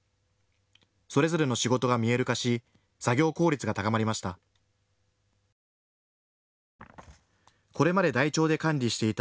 それぞれの仕事が見える化し作業効率が高まりました。